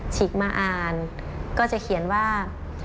ฉีกมาอ่านก็จะเขียนว่า